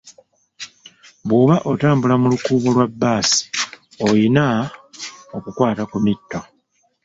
Bw'oba otambula mu lukuubo lwa baasi oyina okukwata ku mitto.